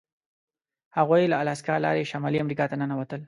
هغوی له الاسکا لارې شمالي امریکا ته ننوتل.